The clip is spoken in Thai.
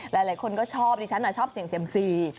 หลายคนก็ชอบดิฉันชอบเสี่ยงเซียมซี